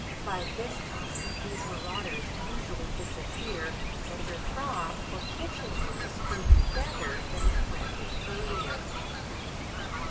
By this time these maurauders usually disappear, and your crop, for kitchen use, will be better than if planted earlier.